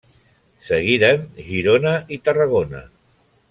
Seguiren Girona i Tarragona.